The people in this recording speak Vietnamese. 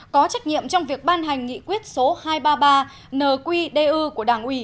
có trách nhiệm trong việc ban hành nghị quyết số hai trăm ba mươi ba nqdu của đảng ủy